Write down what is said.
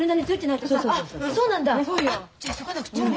じゃあ急がなくっちゃね。